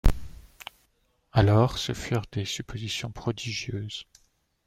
Alors, ce furent des suppositions prodigieuses.